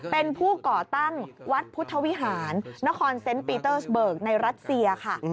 เป็นผู้ก่อตั้งวัดพุทธวิหารนครเซนต์ปีเตอร์เบิกในรัสเซียค่ะ